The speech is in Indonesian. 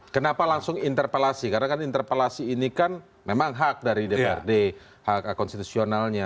kenapa langsung interpelasi karena kan interpelasi ini kan memang hak dari dprd hak konstitusionalnya